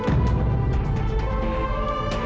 aku mau mencari uang buat bayar tebusan